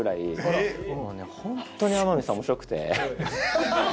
ホントに天海さん面白くて。